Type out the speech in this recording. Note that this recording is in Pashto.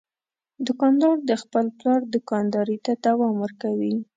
دوکاندار د خپل پلار دوکانداري ته دوام ورکوي.